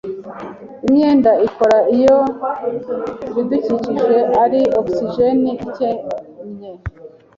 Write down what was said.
Imyanda ikora iyo ibidukikije ari ogisijeni ikennye